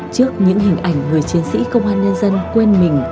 trước những hình ảnh người chiến sĩ công an nhân dân quên mình